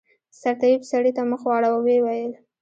سرطبيب سړي ته مخ واړاوه ويې ويل.